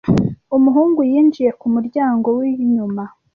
Umuhungu yinjiye kumuryango winyuma.